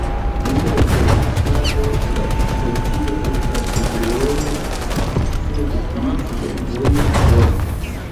Dum reproduktado la specio estas bruema, sed pli silentema poste.